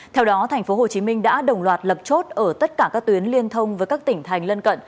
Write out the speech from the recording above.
theo đó tp hcm đã đồng loạt lập chốt ở tất cả các tuyến liên thông với các tỉnh thành lân cận